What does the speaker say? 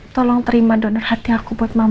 tolong terima donor hati aku buat mama